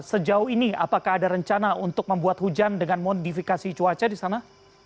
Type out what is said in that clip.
sejauh ini apakah ada rencana untuk membuat hujan dengan modifikasi cuaca di sana